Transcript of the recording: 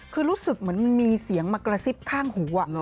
คือรู้สึกเหมือนมันมีเสียงมากระซิบข้างหู